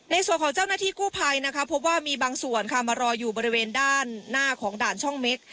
ในส่วนของเจ้าหน้าที่กู้ไพรพบว่ามีบางส่วนมารออยู่บริเวณด้านหน้าของด่านช่องเม็ก